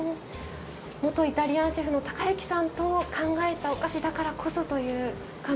元イタリアンシェフの高行さんと考えたお菓子だからこそという感じがしますね。